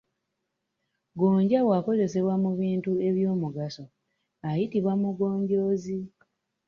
Gonja bw’akozesebwa mu bintu eby’omugaso ayitibwa Mugonjoozi.